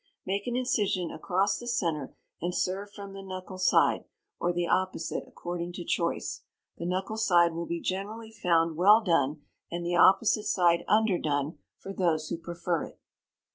Make an incision across the centre, and serve from the knuckle side, or the opposite, according to choice. The knuckle side will be generally found well done, and the opposite side underdone, for those who prefer it.